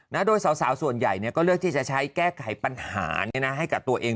โดยสาวส่วนใหญ่เนี่ยก็เลือกที่จะใช้แก้ไขปัญหานี้นะให้กับตัวเอง